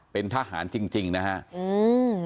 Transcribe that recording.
เป็นทหารจริงจริงนะฮะอืม